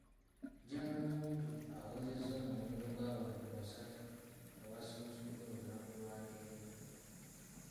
General Muntu awezezza omuwendo gw'abantu basatu abasunsuddwa olunaku lwaleero,